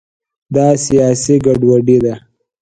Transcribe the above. دا سیاسي ګډوډي ده.